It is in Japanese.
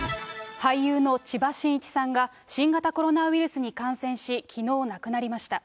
俳優の千葉真一さんが、新型コロナウイルスに感染し、きのう、亡くなりました。